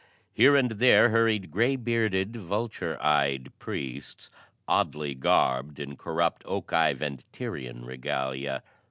Here and there hurried grey bearded, vulture eyed priests oddly garbed in corrupt Occhive and Tyrian regalia.